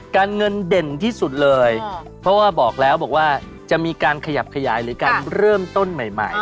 การเงินเด่นที่สุดเลยเพราะว่าบอกแล้วบอกว่าจะมีการขยับขยายหรือการเริ่มต้นใหม่ใหม่